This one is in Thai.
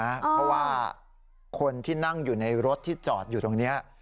เพราะว่าคนที่นั่งอยู่ในรถที่จอดอยู่ตรงนี้